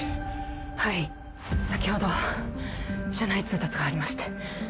はい先ほど社内通達がありまして。